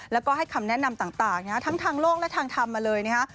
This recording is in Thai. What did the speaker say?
แล้วก็ให้คำแนะนำต่างทั้งทางโลกและทางธรรมมาเลยนะฮะ